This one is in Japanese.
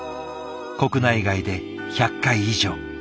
国内外で１００回以上。